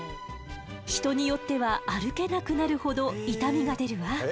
人によっては歩けなくなるほど痛みが出るわ。